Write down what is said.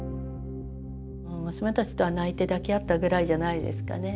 娘たちとは泣いて抱き合ったぐらいじゃないですかね。